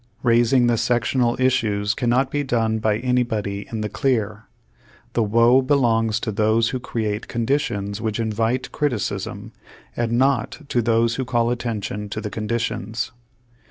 Raising the sectional issue cannot be done bj^ anybody in the clear. The w^oe belongs to those who create conditions which invite criticism, and not to those who call attention to the conditions.